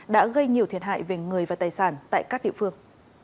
đã gây nhiều thiệt hại về người và tài sản tại các địa phương